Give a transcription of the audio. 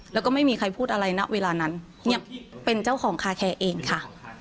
แล้วก็ไม่มีใครพูดอะไรนะเวลานั้นเนี่ยเป็นเจ้าของคาแคร์เองค่ะ